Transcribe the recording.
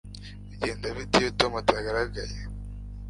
Bigenda bite iyo Tom atagaragaye